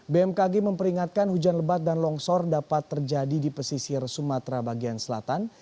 bmkg memperingatkan hujan lebat dan longsor dapat terjadi di pesisir sumatera bagian selatan